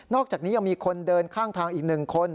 อกจากนี้ยังมีคนเดินข้างทางอีก๑คน